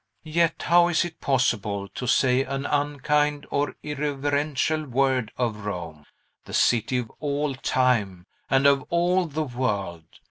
Yet how is it possible to say an unkind or irreverential word of Rome? The city of all time, and of all the world!